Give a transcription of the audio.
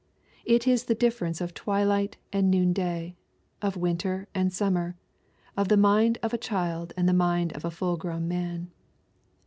It is the difference of twilight and noon day, of winter and sum mer, of the mind of a child and the mind of a full grown man.